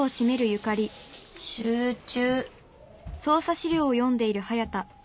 集中。